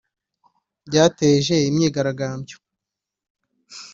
Byateje imyigaragambyo